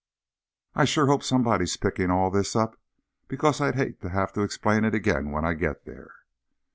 _ _I sure hope somebody's picking all this up, because I'd hate to have to explain it again when I get there.